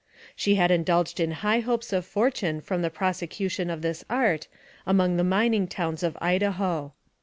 She had indulged in high hopes of fortune from the pros ecution of this art among the mining towns of Idaho.